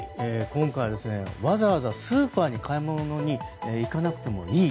今回はわざわざスーパーに買い物に行かなくてもいい。